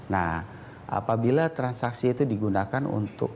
nah apabila transaksi itu digunakan untuk